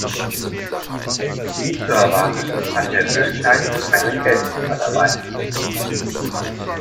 Wie zu erwarten hat der Ölscheich einen Geldkoffer dabei.